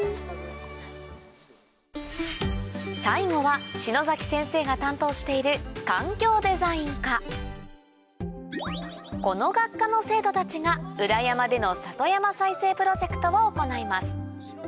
最後は篠先生が担当している環境デザイン科この学科の生徒たちが裏山での里山再生プロジェクトを行います